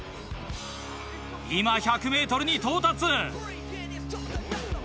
今１００ｍに到達。